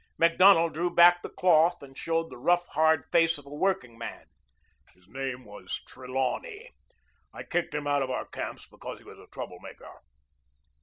Macdonald drew back the cloth and showed the rough, hard face of a workingman. "His name was Trelawney. I kicked him out of our camps because he was a trouble maker."